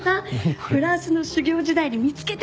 フランスの修業時代に見つけてたの！